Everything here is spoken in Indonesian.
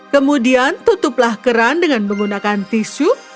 kemudian tutuplah keran dengan menggunakan tisu